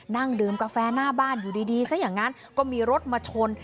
นั่งดื่มกาแฟหน้าบ้านอยู่ดีซะอย่างนั้นก็มีรถมาชน